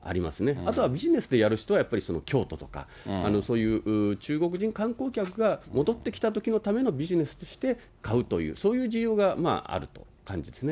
あとはビジネスでやる人はやっぱり京都とか、そういう中国人観光客が戻ってきたときのためのビジネスとして買うという、そういう需要があると感じますね。